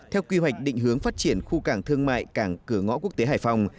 theo quy hoạch định hướng phát triển khu cảng thương mại cảng cửa ngõ quốc tế hải phòng